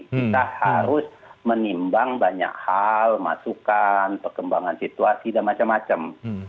kita harus menimbang banyak hal masukan perkembangan situasi dan macam macam